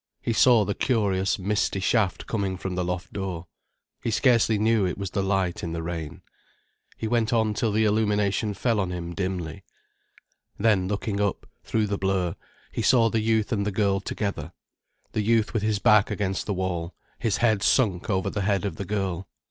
He saw the curious misty shaft coming from the loft door. He scarcely knew it was the light in the rain. He went on till the illumination fell on him dimly. Then looking up, through the blurr, he saw the youth and the girl together, the youth with his back against the wall, his head sunk over the head of the girl.